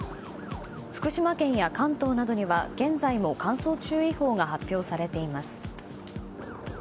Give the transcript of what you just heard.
福島県や関東などには、現在も乾燥注意報が発表されています。